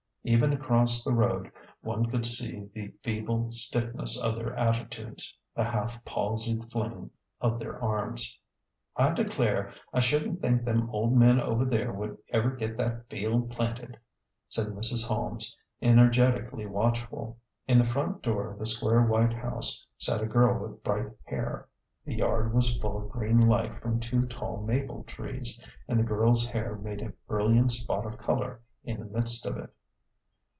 Even across the road one could see the fee ble stiffness of their attitudes, the half palsied fling of their arms. "I declare I shouldn't think them old men over there would ever get that field planted," said Mrs. Holmes, en ergetically watchful. In the front door of the square white house sat a girl with bright hair. The yard was full of green light from two tall maple trees, and the girl's hair made a brilliant spot of color in the midst of it.